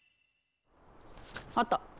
あった！